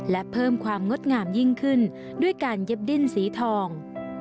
และเพิ่มความงดงามยิ่งขึ้นด้วยการเย็บดิ้นสีทอง